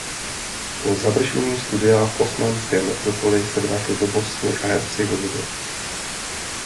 Po završení studia v osmanské metropoli se vrátil do Bosny a Hercegoviny.